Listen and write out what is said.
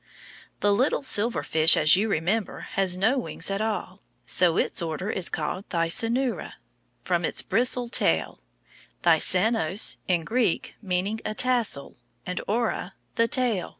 The little silver fish, as you remember, has no wings at all, so its order is called THY SA NU RA, from its bristle tail, thysanos, in Greek, meaning a tassel, and oura, the tail.